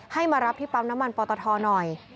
ให้มารับที่ปั๊มน้ำมันปอตทหน่อย